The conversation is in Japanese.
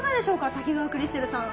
滝川クリステルさん。